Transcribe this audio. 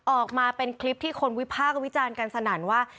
ออกมาเป็นคลิปที่คนวิพากษ์วิจารณ์กันสนั่นว่า